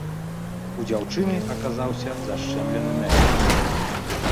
У дзяўчыны аказаўся зашчэмлены нерв.